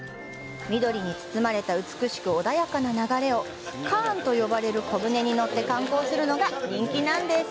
緑に包まれた美しく穏やかな流れを「カーン」と呼ばれる小舟に乗って観光するのが人気なんです。